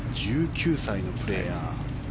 １９歳のプレーヤー。